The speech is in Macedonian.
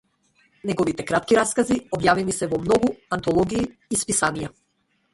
Неговите кратки раскази објавени се во многу антологии и списанија.